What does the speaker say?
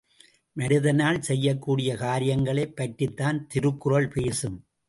மனிதனால் செய்யக்கூடிய காரியங்களைப் பற்றித்தான் திருக்குறள் பேசும்.